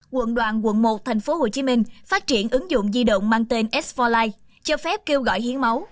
quận đoàn quận một tp hcm phát triển ứng dụng di động mang tên s bốn life cho phép kêu gọi hiến máu